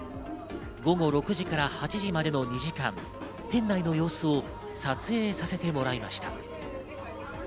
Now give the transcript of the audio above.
午後６時から８時までの２時間、店内の様子を撮影させてもらいました。